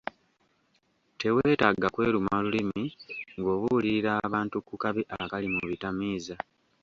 Teweetaaga kweruma lulimi ng'obuulirira abantu ku kabi akali mu bitamiiza.